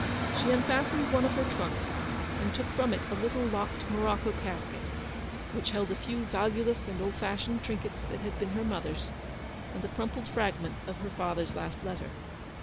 She unfastened one of her trunks, and took HAZLEWOOD. 269 from it a little locked morocco casket, which held a few valueless and old fashioned trinkets that had been her mother's, and the crumpled frag ment of her father's last letter.